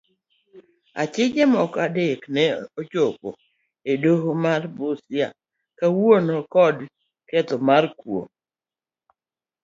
Achije moko adek ne ochopii edoho ma busia kawuono kod keth mar kuo.